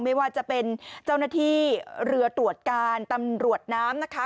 ไม่ว่าจะเป็นเจ้าหน้าที่เรือตรวจการตำรวจน้ำนะคะ